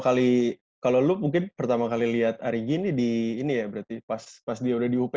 kali kalau lu mungkin pertama kali lihat ari gini di ini ya berarti pas dia udah di uph ya